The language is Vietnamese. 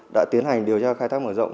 đã tiến hành điều tra khai thác mở rộng